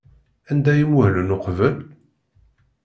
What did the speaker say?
Anda ay muhlen uqbel?